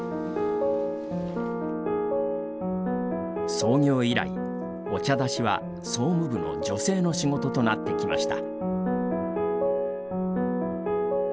創業以来、お茶出しは総務部の女性の仕事となってきました。